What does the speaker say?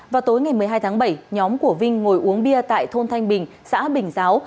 vào tối ngày một mươi hai tháng bảy nhóm của vinh ngồi uống bia tại thôn thanh bình xã bình giáo